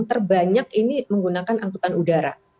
terbanyak ini menggunakan angkutan udara